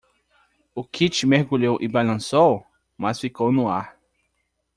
O kite mergulhou e balançou?, mas ficou no ar.